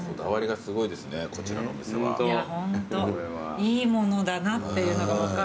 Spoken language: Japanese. いいものだなっていうのが分かる。